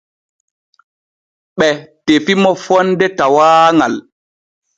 Ɓe tefi mo fonde tawaaŋal.